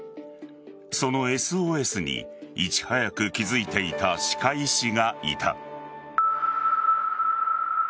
そのＳＯＳにいち早く気付いていた歯科医師がいた。